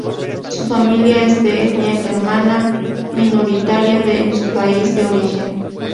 Su familia es de etnia germana, minoritaria en su país de origen.